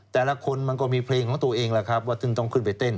แต่ละคนมันก็มีเพลงของตัวเองแหละครับว่าถึงต้องขึ้นไปเต้น